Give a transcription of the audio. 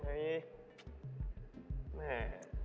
ไม้เสียบอาหาร